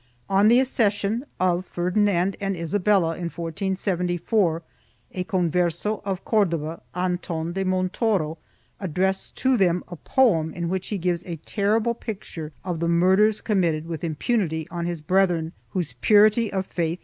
2 On the accession of Ferdinand and Isabella, in 1474, a Converse of Cordova, Anton de Montoro, addressed to them a poem in which he gives a terrible picture of the murders committed with impunity on his brethren, whose purity of faith he asserts.